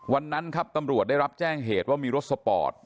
วันนั้นครับตำรวจได้รับแจ้งเหตุว่ามีรถสปอร์ต